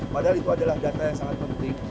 padahal itu adalah data yang sangat penting